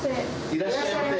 いらっしゃいませ。